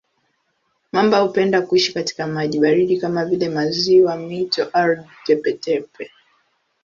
Mamba hupenda kuishi katika maji baridi kama vile maziwa, mito, ardhi tepe-tepe.